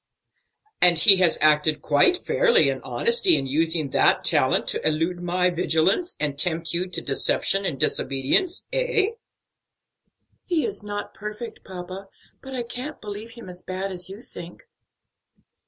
"And he has acted quite fairly and honestly in using that talent to elude my vigilance and tempt you to deception and disobedience, eh?" "He is not perfect, papa, but I can't believe him as bad as you think."